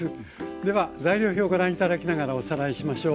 では材料表ご覧頂きながらおさらいしましょう。